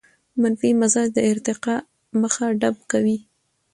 منفي مزاج د ارتقاء مخه ډب کوي.